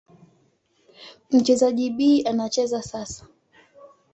Mchezaji B anacheza sasa.